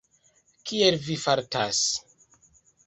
Kiel Vi fartas?